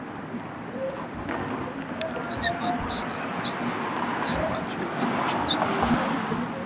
The viscountcy was named for his country house at Chilston Park.